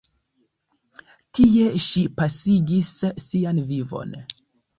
Tie ŝi pasigis sian vivon.